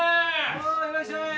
おういらっしゃい！